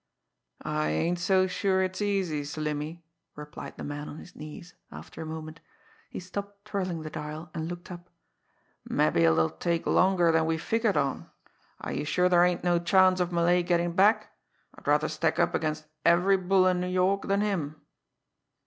"I ain't so sure it's easy, Slimmy," replied the man on his knees, after a moment. He stopped twirling the dial, and looked up. "Mabbe it'll take longer than we figured on. Are you sure there ain't no chance of Malay gettin' back? I'd rather stack up against every bull in New York than him."